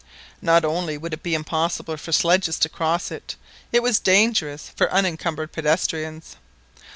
Not only would it be impossible for sledges to cross it, it was dangerous for unencumbered pedestrians.